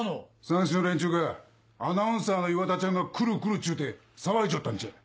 さんしの連中がアナウンサーの岩田ちゃんが来る来るっちゅうて騒いじょったんじゃ。